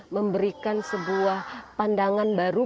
memberikan sebuah pandangan baru